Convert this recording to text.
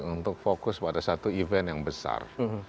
untuk fokus pada satu event yang besar